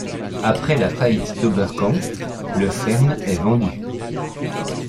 Après la faillite d'Oberkampf, le ferme est vendue.